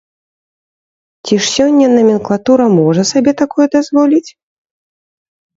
Ці ж сёння наменклатура можа сабе такое дазволіць?